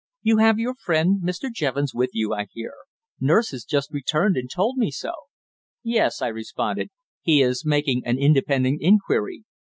"You have your friend, Mr. Jevons, with you, I hear. Nurse has just returned and told me so." "Yes," I responded. "He is making an independent inquiry."